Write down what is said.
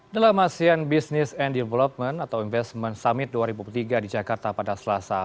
dalam asean business and development atau investment summit dua ribu dua puluh tiga di jakarta pada selasa